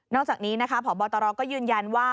อกจากนี้นะคะพบตรก็ยืนยันว่า